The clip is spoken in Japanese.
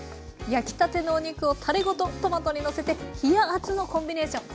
焼きたてのお肉をたれごとトマトにのせてひやあつのコンビネーション